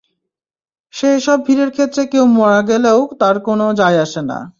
সে এসব ভিড়ের ক্ষেত্রে কেউ মারা গেলেও তার কোনো যায় আসেনা।